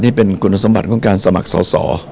นี่เป็นคุณสมบัติของการสมัครสอสอ